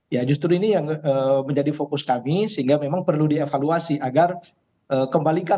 ya justru ini yang menjadi fokus kami sehingga memang perlu dievaluasi agar kembalikan